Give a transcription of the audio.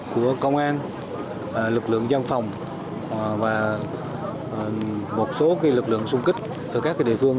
của công an lực lượng dân phòng và một số lực lượng xung kích ở các địa phương